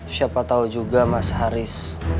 siapa tahu juga mas haris